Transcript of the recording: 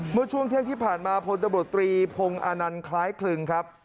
เมื่อช่วงเที่ยงที่ผ่านมาพลตำรวจตรีพงศ์อานันต์คล้ายคลึงครับ